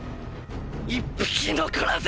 一匹残らず！